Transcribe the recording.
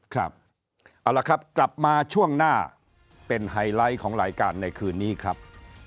ครับเอาละครับกลับมาช่วงหน้าเป็นไฮไลท์ของรายการในคืนนี้ครับ